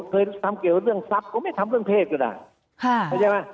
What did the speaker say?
เคยทำเกี่ยวเรื่องทรัพย์